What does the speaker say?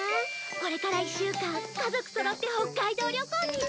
これから１週間家族そろって北海道旅行に行くの。